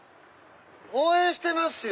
応援してますよ！